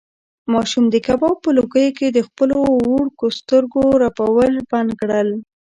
ماشوم د کباب په لوګیو کې د خپلو وړوکو سترګو رپول بند کړل.